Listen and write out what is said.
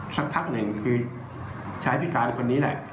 สักพักหนึ่งคือชายพิการคนนี้แหละ